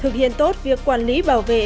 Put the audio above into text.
thực hiện tốt việc quản lý bảo vệ